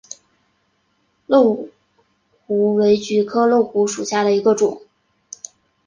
漏芦为菊科漏芦属下的一个种。